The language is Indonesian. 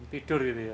tidur gitu ya